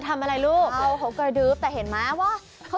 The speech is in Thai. ทำอะไรลูกโอ้เขากระดื๊บแต่เห็นไหมว่า